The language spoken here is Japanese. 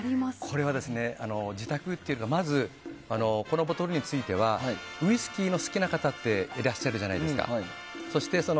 これは自宅というかまずこのボトルについてはウイスキーの好きな方っていらっしゃるじゃないですか。